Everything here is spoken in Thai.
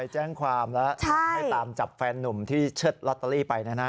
แจ้งความแล้วให้ตามจับแฟนนุ่มที่เชิดลอตเตอรี่ไปนะฮะ